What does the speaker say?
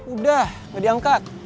udah gak diangkat